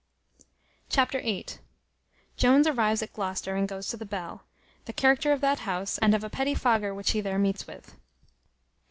Chapter viii. Jones arrives at Gloucester, and goes to the Bell; the character of that house, and of a petty fogger which he there meets with.